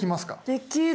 できる。